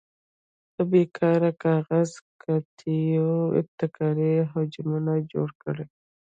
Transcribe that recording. له بې کاره کاغذي قطیو ابتکاري حجمونه جوړ کړئ.